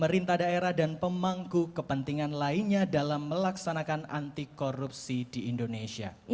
pemerintah daerah dan pemangku kepentingan lainnya dalam melaksanakan anti korupsi di indonesia